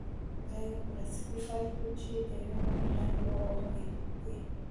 دا يو پلاستيکي فرش و چې د يوې ونې لاندې وغوړېد.